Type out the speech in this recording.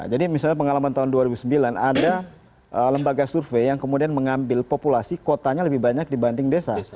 jadi misalnya pengalaman tahun dua ribu sembilan ada lembaga survei yang kemudian mengambil populasi kotanya lebih banyak dibanding desa